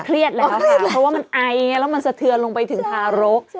แล้วค่ะเพราะว่ามันไอแล้วมันสะเทือนลงไปถึงทารก